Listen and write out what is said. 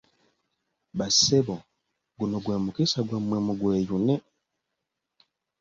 Bassebo, guno gwe mukisa gwammwe mugweyune!